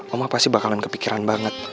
oma pasti bakalan kepikiran banget